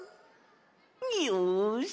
よし！